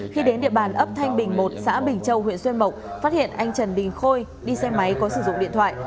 khi đến địa bàn ấp thanh bình một xã bình châu huyện xuyên mộc phát hiện anh trần đình khôi đi xe máy có sử dụng điện thoại